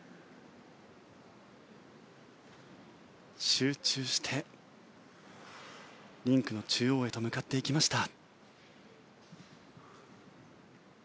集中してリンクの中央へと向かっていきました。